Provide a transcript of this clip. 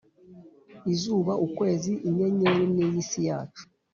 izuba, ukwezi, inyenyeri n’iyi si yacu.